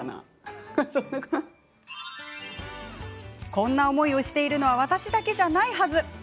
こんな思いをしているのは私だけじゃないはず！